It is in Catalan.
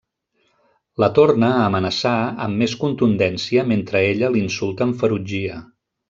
La torna a amenaçar amb més contundència mentre ella l'insulta amb ferotgia.